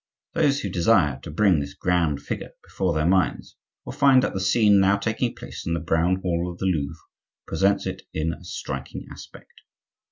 Those who desire to bring this grand figure before their minds will find that the scene now taking place in the brown hall of the Louvre presents it in a striking aspect.